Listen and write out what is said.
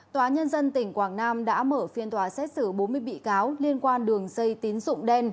tòa nhân dân tỉnh quảng nam đã mở phiên tòa xét xử bốn mươi bị cáo liên quan đường xây tín dụng đen